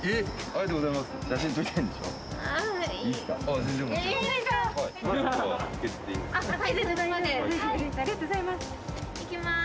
ありがとうございます。